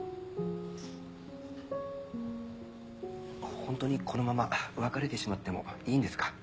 ホントにこのまま別れてしまってもいいんですか？